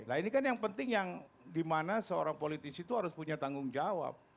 nah ini kan yang penting yang dimana seorang politisi itu harus punya tanggung jawab